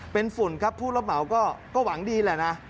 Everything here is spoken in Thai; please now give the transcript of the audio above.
เป็นฝุ่นครับผู้รับเหมาก็หวังดีแหละนะ